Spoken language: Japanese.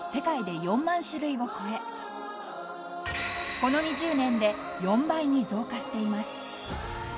この２０年で４倍に増加しています］